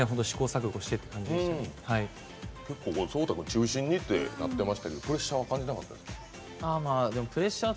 君が中心にってなってましたけどプレッシャー感じなかったですか？